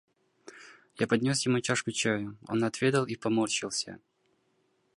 Я поднес ему чашку чаю; он отведал и поморщился.